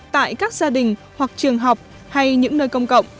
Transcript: tại các gia đình hoặc trường học hay những nơi công cộng